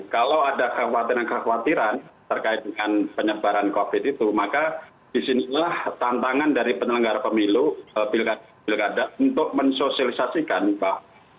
kalau ada khawatiran khawatiran terkait dengan penyebaran covid sembilan belas itu maka disinilah tantangan dari penyelenggara pemilu pilkada untuk mensosialisasikan pak